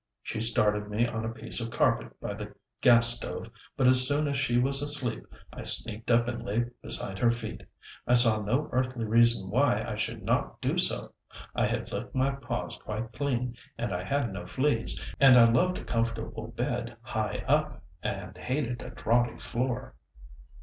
She started me on a piece of carpet by the gas stove, but as soon as she was asleep, I sneaked up and lay beside her feet. I saw no earthly reason why I should not do so. I had licked my paws quite clean, and I had no fleas, and I loved a comfortable bed high up, and hated a draughty floor.